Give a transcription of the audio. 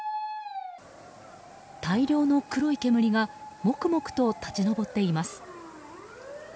大量の黒い煙がもくもくと立ち上っています。